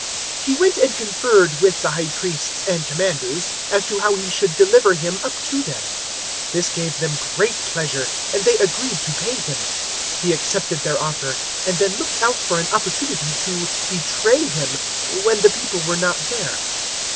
022:004 He went and conferred with the High Priests and Commanders as to how he should deliver Him up to them. 022:005 This gave them great pleasure, and they agreed to pay him. 022:006 He accepted their offer, and then looked out for an opportunity to betray Him when the people were not there.